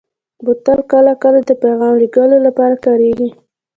بوتل کله کله د پیغام لېږلو لپاره کارېږي.